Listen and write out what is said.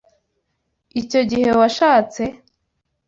Icyo gihe washatse?